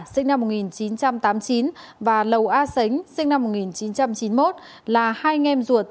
sinh năm một nghìn chín trăm tám mươi chín và lầu a sánh sinh năm một nghìn chín trăm chín mươi một là hai anh em ruột